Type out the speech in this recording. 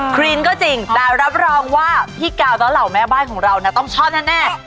ครีนก็จริงแต่รับรองว่าพี่กาวและเหล่าแม่บ้านของเรานะต้องชอบแน่